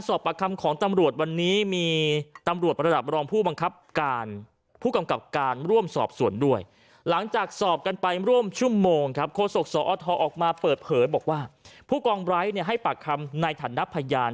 บอกว่าผู้กองไบร์สให้ปากคำในฐัณฑ์พยาน